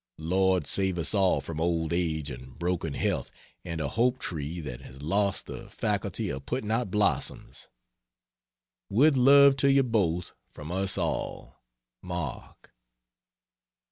Lord save us all from old age and broken health and a hope tree that has lost the faculty of putting out blossoms. With love to you both from us all. MARK.